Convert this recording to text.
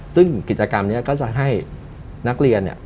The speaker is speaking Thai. ซึ่งกิจกรรมนี้ก็จะให้นักเรียนเนี่ย